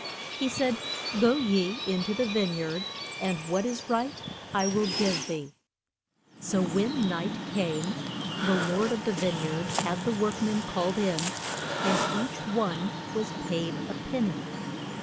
He said, Go ye in to the vine yard, and what is right I will give thee. So when night came, the lord of the vine yard had the work men called in, and each one was paid a pen ny.